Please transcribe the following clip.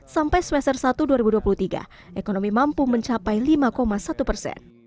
sampai semester satu dua ribu dua puluh tiga ekonomi mampu mencapai lima satu persen